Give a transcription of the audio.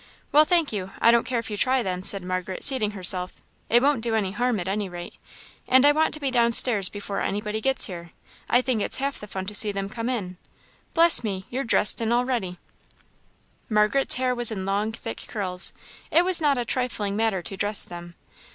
"Well, thank you, I don't care if you try, then," said Margaret, seating herself; "it won't do any harm, at any rate; and I want to be downstairs before anybody gets here; I think it's half the fun to see them come in. Bless me! you're dressed and all ready." Margaret's hair was in long, thick curls; it was not a trifling matter to dress them.